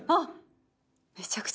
めちゃくちゃ奇麗。